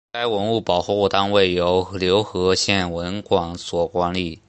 该文物保护单位由柳河县文管所管理。